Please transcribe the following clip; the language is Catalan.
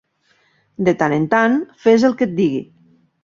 De tan en tan fes el que et digui